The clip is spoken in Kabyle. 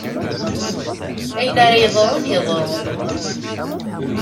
Ayen ara yeḍrun, yeḍru.